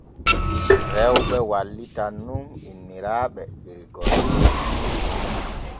Rewɓe wallitan nun inniraaɓe der golleeji.